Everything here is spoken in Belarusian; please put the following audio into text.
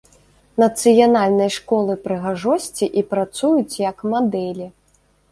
Нацыянальнай школы прыгажосці і працуюць як мадэлі.